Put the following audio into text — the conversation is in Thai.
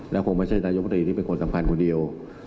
แล้วคงไม่ใช่นายกตรีที่เป็นคนสำคัญคนเดียว